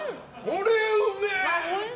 これうめえ！